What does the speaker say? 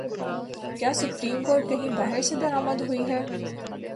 کیا supreme court کہیں باہر سے درآمد ہوئی ہے؟